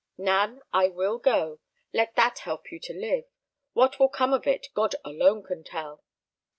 "Nan, I will go. Let that help you to live. What will come of it God alone can tell."